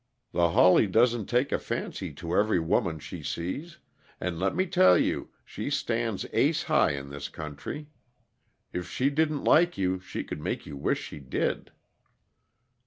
The Hawley doesn't take a fancy to every woman she sees and, let me tell you, she stands ace high in this country. If she didn't like you, she could make you wish she did."